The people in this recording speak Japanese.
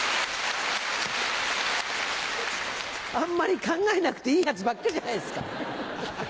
あんまり考えなくていいやつばっかりじゃないですか！